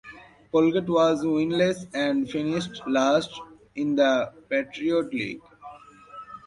Colgate was winless and finished last in the Patriot League.